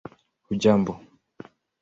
hujambo